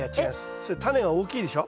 それタネが大きいでしょ。